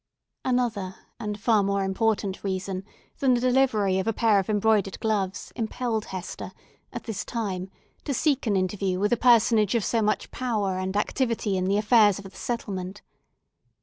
Another and far more important reason than the delivery of a pair of embroidered gloves, impelled Hester, at this time, to seek an interview with a personage of so much power and activity in the affairs of the settlement.